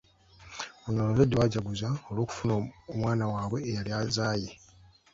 Oluvannyuma abazadde baajaguza olw’okufuna omwana waabwe eyali azaaye.